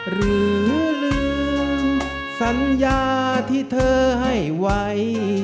หรือลืมสัญญาที่เธอให้ไว้